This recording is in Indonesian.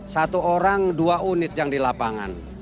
satu orang dua unit yang di lapangan